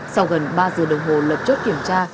sau gần ba giờ đồng hồ lập chốt kiểm tra